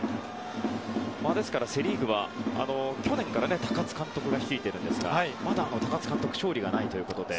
セ・リーグは去年から高津監督が率いているんですがまだ高津監督勝利がないということで。